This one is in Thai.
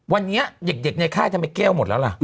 วันนี้เด็กในค่ายทำไมแก้วหมดแล้วล่ะ